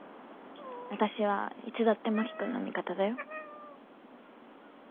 私はいつだって真木君の味方だよ。